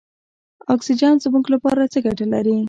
اکسیجن زموږ لپاره څه ګټه لري.